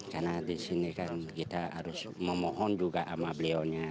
karena di sini kan kita harus memohon juga sama beliau nya